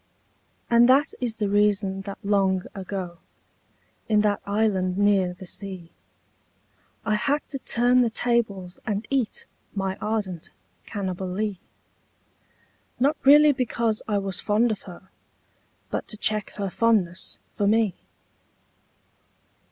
And that is the reason that long ago. In that island near the sea, I had to turn the tables and eat My ardent Cannibalee — Not really because I was fond of her, But to check her fondness for me.